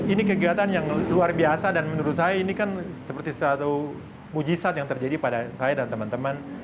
ini kegiatan yang luar biasa dan menurut saya ini kan seperti suatu mujizat yang terjadi pada saya dan teman teman